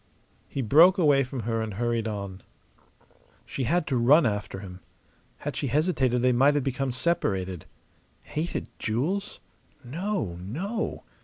He broke away from her and hurried on. She had to run after him. Had she hesitated they might have become separated. Hated jewels? No, no!